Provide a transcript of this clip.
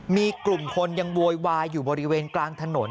มีกลุ่มคนยังโวยวายอยู่บริเวณกลางถนน